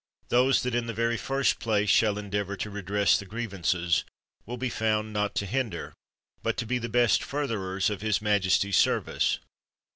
Those that in the very first place shall endeavor to redress the grievances, will be found not to hin der, but to be the best furtherers of his majesty's service.